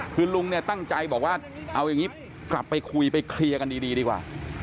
คือลุงเนี่ยตั้งใจบอกว่าเอาอย่างนี้กลับไปคุยไปเคลียร์กันดีดีกว่า